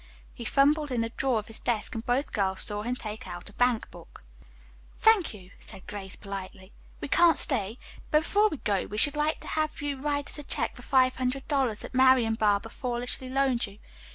He fumbled in a drawer of his desk, and both girls saw him take out a bankbook. "Thank you," said Grace politely. "We can't stay, but before we go we should like to have you write us a check for the five hundred dollars that Marian Barber foolishly loaned you.